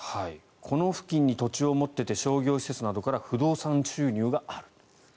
この付近に土地を持っていて商業施設などから不動産収入がある。